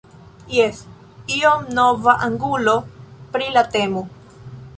Jes, iom nova angulo pri la temo.